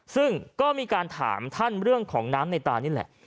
ซึ่งก็มีการถามท่านเรื่องของน้ำในตานี่แหละ